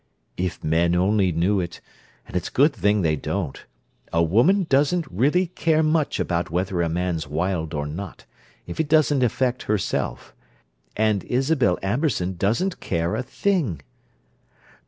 "If men only knew it—and it's a good thing they don't—a woman doesn't really care much about whether a man's wild or not, if it doesn't affect herself, and Isabel Amberson doesn't care a thing!"